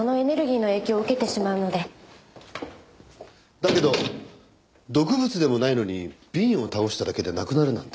だけど毒物でもないのに瓶を倒しただけで亡くなるなんて。